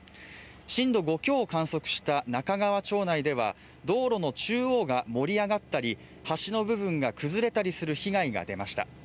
震度５強を観測した中川町内では、道路の中央が盛り上がったり端の部分が崩れたりする被害が出ました。